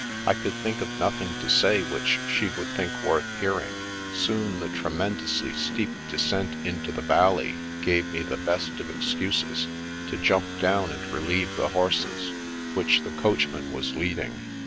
I could think of nothing to say which she would think worth hearing. Soon, the tremendously steep descent into the valley gave me the best of excuses to jump down and relieve the horses, which the coachman was leading.